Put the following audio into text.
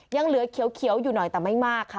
ยังเหลือเขียวอยู่หน่อยแต่ไม่มากค่ะ